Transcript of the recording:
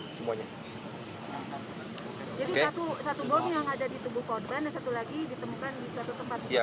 jadi satu bom yang ada di tubuh korban dan satu lagi ditemukan di satu tempat